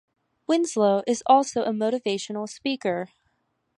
Winslow is also a motivational speaker.